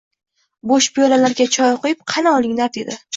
Bo‘sh piyolalarga choy quyib, qani, olinglar, dedi.